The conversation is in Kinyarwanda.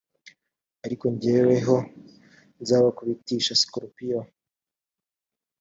ariko jyeweho nzabakubitisha sikorupiyo